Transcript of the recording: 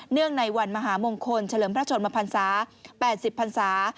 เนื่องในวันมหามงคลเฉลิมพระชนมภรรษา๘๐ภรรษา